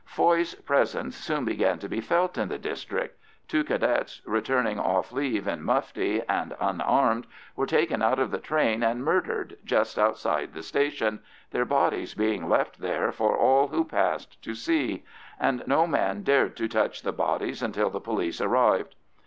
Foy's presence soon began to be felt in the district. Two Cadets, returning off leave in mufti and unarmed, were taken out of the train and murdered just outside the station, their bodies being left there for all who passed to see, and no man dared to touch the bodies until the police arrived.